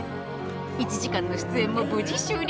１時間の出演も無事終了！